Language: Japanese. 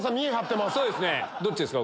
どっちですか？